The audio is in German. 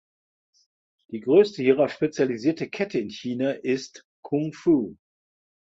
Die größte hierauf spezialisierte Kette in China ist "Kung Fu".